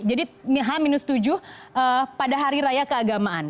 jadi h tujuh pada hari raya keagamaan